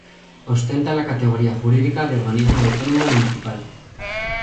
Ostenta la categoría jurídica de organismo autónomo municipal.